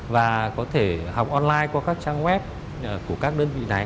và có thể học online qua các trang web của các đơn vị này